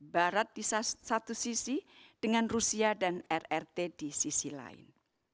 barat di satu sisi dengan rusia dan rrt di sisi lain